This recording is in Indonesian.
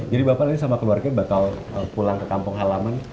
jadi bapak ini sama keluarganya bakal pulang ke kampung halaman